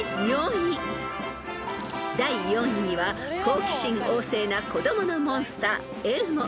［第４位には好奇心旺盛な子供のモンスターエルモ］